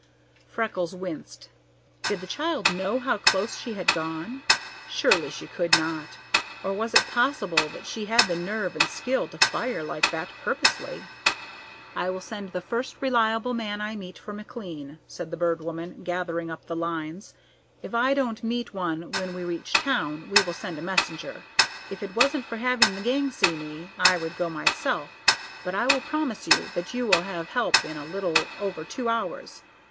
Freckles winced. Did the child know how close she had gone? Surely she could not! Or was it possible that she had the nerve and skill to fire like that purposely? "I will send the first reliable man I meet for McLean," said the Bird Woman, gathering up the lines. "If I don't meet one when we reach town, we will send a messenger. If it wasn't for having the gang see me, I would go myself; but I will promise you that you will have help in a little over two hours.